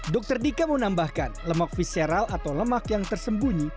dr dika menambahkan lemak viceral atau lemak yang tersembunyi